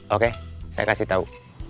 oke saya kasih tau